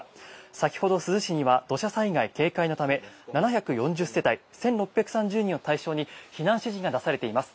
先ほど珠洲市には土砂災害警戒のため７４０世帯１６３０人を対象に避難指示が出されています。